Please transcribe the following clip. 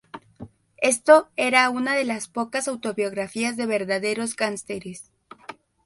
Esto era uno de las pocas autobiografías de verdaderos gánsteres.